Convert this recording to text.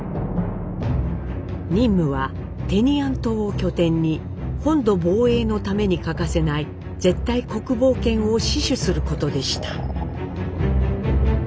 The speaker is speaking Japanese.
任務はテニアン島を拠点に本土防衛のために欠かせない絶対国防圏を死守することでした。